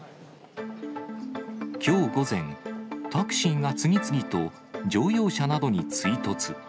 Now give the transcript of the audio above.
きょう午前、タクシーが次々と乗用車などに追突。